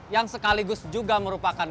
yang sekarang kita temukan adalah